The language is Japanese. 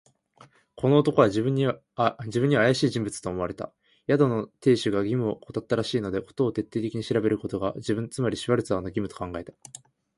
この男は自分にはあやしい人物と思われた。宿の亭主が義務をおこたったらしいので、事を徹底的に調べることが、自分、つまりシュワルツァーの義務と考えた。